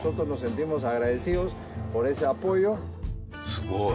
すごい。